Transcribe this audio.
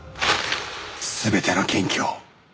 全ての元凶。